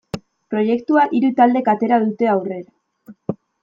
Proiektua hiru taldek atera dute aurrera.